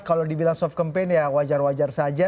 kalau dibilang soft campaign ya wajar wajar saja